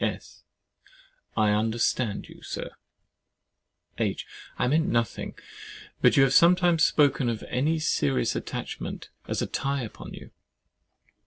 S. I understand you, Sir. H. I meant nothing; but you have sometimes spoken of any serious attachment as a tie upon you.